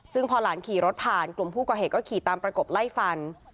ซึ่งพอหลานขี่รถผ่านกลุ่มผู้ก่อเหตุก็ขี่ตามประกบไล่ฟัน